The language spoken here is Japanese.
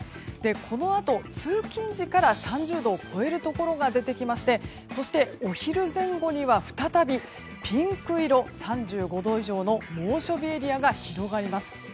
このあと、通勤時から３０度を超えるところが出てきましてそして、お昼前後には再びピンク色３５度以上の猛暑日エリアが広がります。